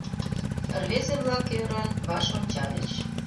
Рвезе-влак, ӧрын, ваш ончальыч.